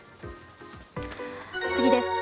次です。